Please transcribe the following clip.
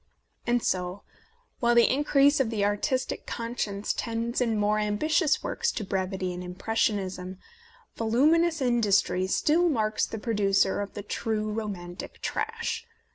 And so, while the increase of the artistic conscience tends in more ambitious works to brevity and impressionism, voluminous industry still marks the producer of the true romantic trash.